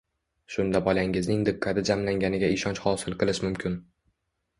Shunda bolangizning diqqati jamlanganiga ishonch hosil qilish mumkin.